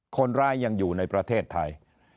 คนร้ายยังอยู่ในประเทศไทย